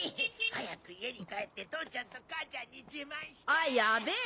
早く家に帰って父ちゃんと母ちゃんに自慢してぇ。